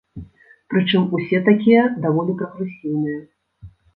Прычым усе такія даволі прагрэсіўныя.